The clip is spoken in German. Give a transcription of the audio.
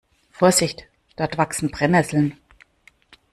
Vorsicht, dort wachsen Brennnesseln.